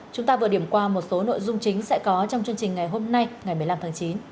chúng ta vừa điểm qua một số nội dung chính sẽ có trong chương trình ngày hôm nay ngày một mươi năm tháng chín